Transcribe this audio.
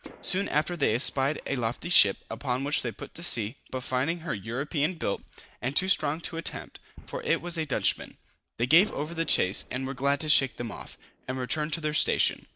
Soon after they espied a lofty ship, upon which they put to sea; but finding her European built, and too strong to attempt, for it was a Dutchman, they gave over the chase, and were glad to shake them off, and return to their station.